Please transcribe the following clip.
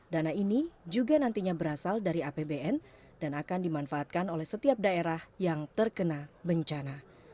dana ini juga nantinya berasal dari apbn dan akan dimanfaatkan oleh setiap daerah yang terkena bencana